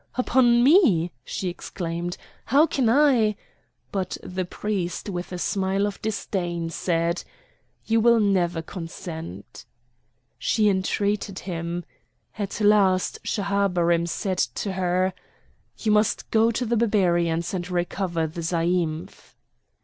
"Upon me!" she exclaimed. "How can I—?" But the priest, with a smile of disdain said: "You will never consent!" She entreated him. At last Schahabarim said to her: "You must go to the Barbarians and recover the zaïmph!"